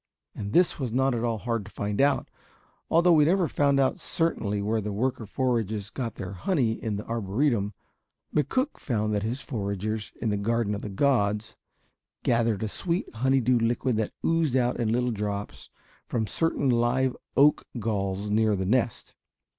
And this was not at all hard to find out, although we never found out certainly where the worker foragers got their honey in the Arboretum. McCook found that his foragers in the Garden of the Gods gathered a sweet honey dew liquid that oozed out in little drops from certain live oak galls near the nest.